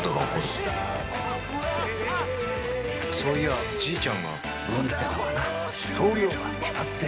そういやじいちゃんが運ってのはな量が決まってるんだよ。